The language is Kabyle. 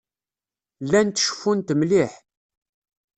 Llant ceffunt mliḥ.